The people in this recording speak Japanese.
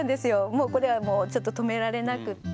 もうこれはもうちょっと止められなくって。